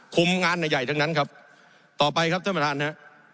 คุมงานใหญ่ใหญ่ทั้งนั้นครับต่อไปครับท่านประธานฮะ